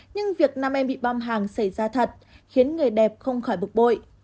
nhưng việc nam em bị bom hàng xảy ra thật khiến người đẹp không khỏi bực bội